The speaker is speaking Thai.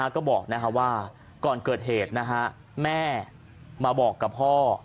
ก็บอกว่าก่อนเกิดเหตุแม่มาบอกกับพ่อ